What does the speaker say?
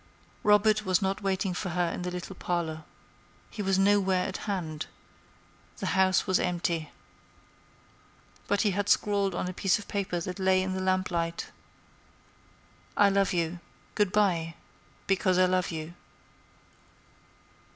Robert was not waiting for her in the little parlor. He was nowhere at hand. The house was empty. But he had scrawled on a piece of paper that lay in the lamplight: "I love you. Good by—because I love you."